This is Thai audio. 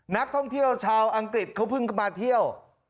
นักท่องเที่ยวชาวอังกฤษเขาเพิ่งมาเที่ยว